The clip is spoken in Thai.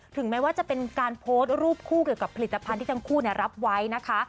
แม้ว่าจะเป็นการโพสต์รูปคู่เกี่ยวกับผลิตภัณฑ์ที่ทั้งคู่รับไว้นะคะ